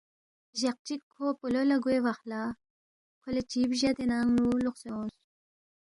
جق چِک کھو پولو لہ گوے وخ لہ کھو لہ چی بجیدے ننگ نُو لوقسے اونگس